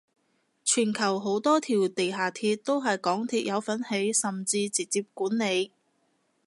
全球好多條地下鐵都係港鐵有份起甚至直接管理